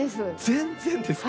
全然ですか？